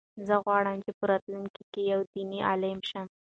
زه غواړم چې په راتلونکي کې یو دیني عالم شم.